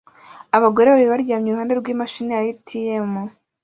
Abagore babiri baryamye iruhande rwimashini ya atm